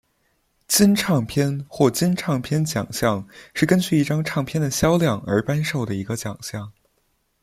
金唱片或金唱片奖项是根据一张唱片的销量而颁授的一个奖项。